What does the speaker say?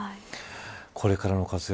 これからの活躍